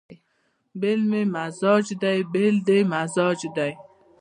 بېل مې مزاج دی بېل دې مزاج دی